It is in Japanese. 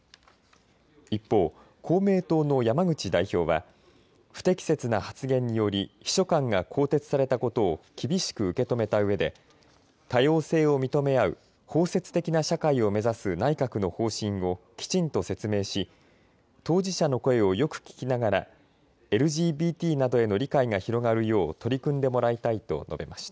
一方、公明党の山口代表は不適切な発言により秘書官が更迭されたことを厳しく受け止めたうえで多様性を認め合う包摂的な社会を目指す内閣の方針をきちんと説明し、当事者の声をよく聞きながらＬＧＢＴなどへの理解が広がるよう取り組んでもらいたいと述べました。